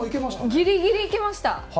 ギリギリいけました。